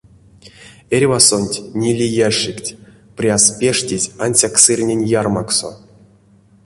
Эрьвасонть ниле ящикть пряс пештезь ансяк сырнень ярмаксо.